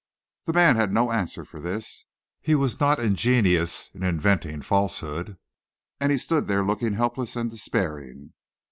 The man had no answer for this. He was not ingenious in inventing falsehood, and he stood looking helpless and despairing.